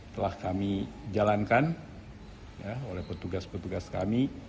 telah kami jalankan oleh petugas petugas kami